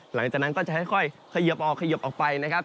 หลังจากนั้นก็จะค่อยเขยิบออกเขยิบออกไปนะครับ